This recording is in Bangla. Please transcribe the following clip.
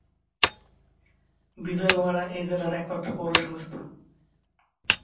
বিজয়ওয়াড়া এই জেলার একমাত্র পৌরসংস্থা।